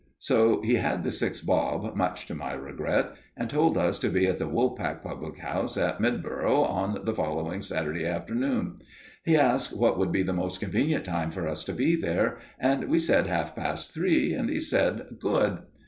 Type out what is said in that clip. So he had the six bob, much to my regret, and told us to be at "The Wool Pack" public house at Mudborough on the following Saturday afternoon. He asked what would be the most convenient time for us to be there, and we said half past three, and he said "Good!"